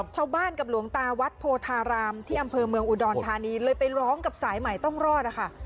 ชาวบ้านกับหลวงตาวัดโพธารามที่อำเภอเมืองอุดรธานีเลยไปร้องกับสายใหม่ต้องรอดนะคะ